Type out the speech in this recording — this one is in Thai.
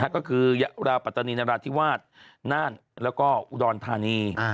ก็คือยะราวปัตตานีนราธิวาสน่านแล้วก็อุดรธานี